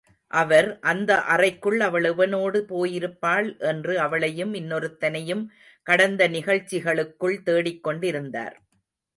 அவர், அந்த அறைக்குள் அவள் எவனோடு போயிருப்பாள் என்று அவளையும் இன்னொருத்தனையும் கடந்த நிகழ்ச்சிகளுக்குள் தேடிக் கொண்டிருந்தார்.